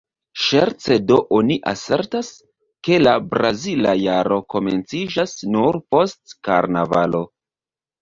Ŝerce do oni asertas, ke la brazila jaro komenciĝas nur post karnavalo.